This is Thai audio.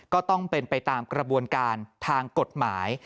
ก็ต้องเป็นไปตามกระบวนการทางกฎหมาย